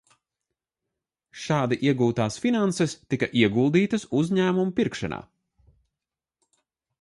Šādi iegūtās finanses tika ieguldītas uzņēmumu pirkšanā.